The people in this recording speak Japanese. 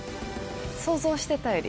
想像してたより。